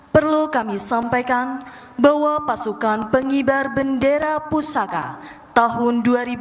perlu kami sampaikan bahwa pasukan pengibar bendera pusaka tahun dua ribu dua puluh